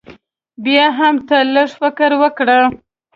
بيا هم تۀ لږ فکر وکړه